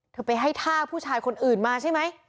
เธอไปให้ท่าผู้ชายหลังอื่นมาใช่ไหม